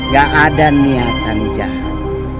gak ada niatan jahat